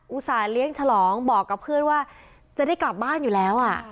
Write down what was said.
ส่าหเลี้ยงฉลองบอกกับเพื่อนว่าจะได้กลับบ้านอยู่แล้วอ่ะ